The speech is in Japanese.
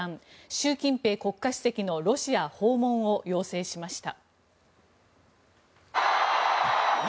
習近平国家主席のロシア訪問を要請しました。